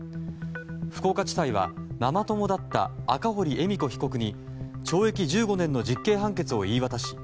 福岡地裁はママ友だった赤堀恵美子被告に懲役１５年の実刑判決を言い渡し